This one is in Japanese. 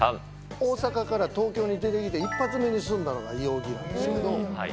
大阪から東京に出てきて、一発目に住んだのが井荻なんですけど。